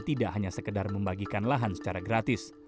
tidak hanya sekedar membagikan lahan secara gratis